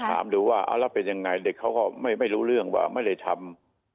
ถามดูว่าเอาแล้วเป็นยังไงเด็กเขาก็ไม่รู้เรื่องว่าไม่ได้ทำ